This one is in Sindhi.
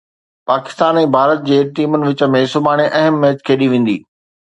پاڪستان ۽ ڀارت جي ٽيمن وچ ۾ سڀاڻي اهم ميچ کيڏي ويندي